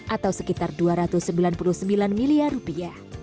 atau sekitar dua ratus sembilan puluh sembilan miliar rupiah